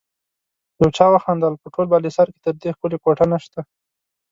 يو چا وخندل: په ټول بالاحصار کې تر دې ښکلی کوټه نشته.